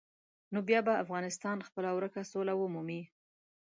نو بیا به افغانستان خپله ورکه سوله ومومي.